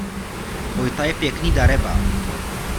Vojta je pěkný darebák.